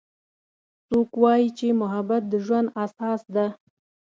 څوک وایي چې محبت د ژوند اساس ده